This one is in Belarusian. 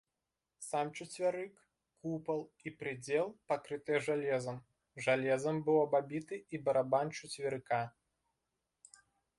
Сам чацвярык, купал і прыдзел пакрытыя жалезам, жалезам быў абабіты і барабан чацверыка.